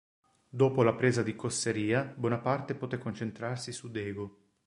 Dopo la presa di Cosseria Bonaparte poté concentrarsi su Dego.